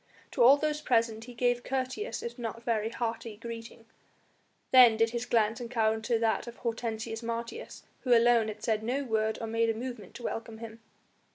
To all those present he gave courteous if not very hearty greeting. Then did his glance encounter that of Hortensius Martius who alone had said no word or made a movement to welcome him.